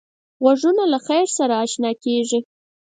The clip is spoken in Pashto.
غوږونه له خیر سره اشنا کېږي